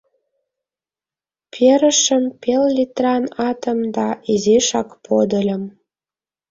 Перышым пел литран атым да изишак подыльым.